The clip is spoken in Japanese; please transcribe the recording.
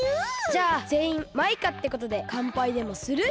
じゃあぜんいんマイカってことでかんぱいでもする？